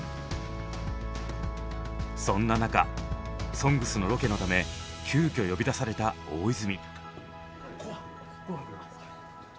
「ＳＯＮＧＳ」のロケのため急遽呼び出された大泉。